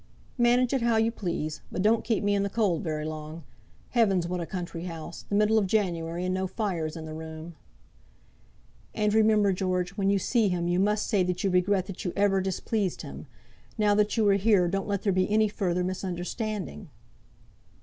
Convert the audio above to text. "Manage it how you please; but don't keep me in the cold very long. Heavens, what a country house! The middle of January, and no fires in the room." "And remember, George, when you see him you must say that you regret that you ever displeased him. Now that you are here, don't let there be any further misunderstanding."